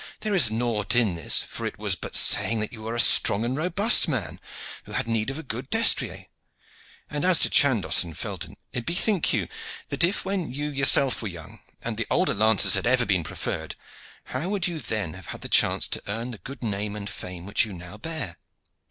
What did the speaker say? "There is naught in this, for it was but saying that you were a strong and robust man, who had need of a good destrier. And as to Chandos and Felton, bethink you that if when you yourself were young the older lances had ever been preferred, how would you then have had the chance to earn the good name and fame which you now bear?